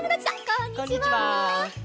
こんにちは！